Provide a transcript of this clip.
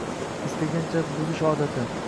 istaganda buzish odati